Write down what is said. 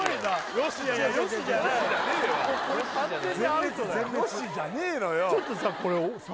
「よし」じゃねえのよちょっとさ